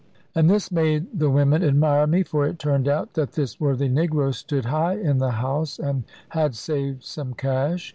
And this made the women admire me, for it turned out that this worthy negro stood high in the house, and had saved some cash.